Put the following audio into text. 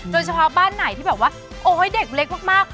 โดยเฉพาะบ้านไหนที่แบบว่าโอ๊ยเด็กเล็กมาก